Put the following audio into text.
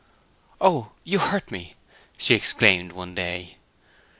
"Oh—you hurt me!" she exclaimed one day.